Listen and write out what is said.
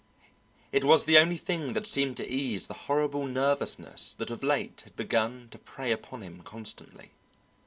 It was the only thing that seemed to ease the horrible nervousness that of late had begun to prey upon him constantly.